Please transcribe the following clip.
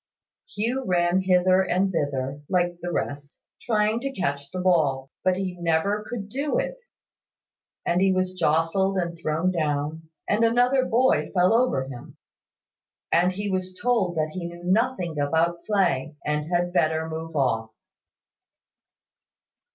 Hugh ran hither and thither, like the rest, trying to catch the ball; but he never could do it; and he was jostled, and thrown down, and another boy fell over him; and he was told that he knew nothing about play, and had better move off.